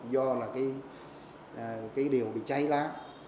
do là cái điều bị cháy lá